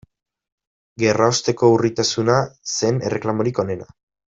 Gerraosteko urritasuna zen erreklamorik onena.